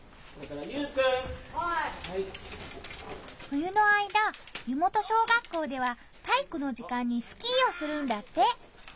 冬の間ゆもと小学校では体育の時間にスキーをするんだって。